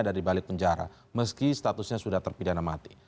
dari balik penjara meski statusnya sudah terpidana mati